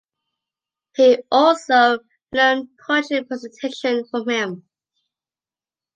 He also learned poetry presentation from him.